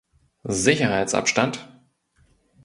Sicherheitsabstand!